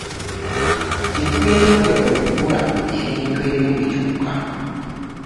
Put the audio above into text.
Gye tweyongera okukula ebintu ebimu bikyuka.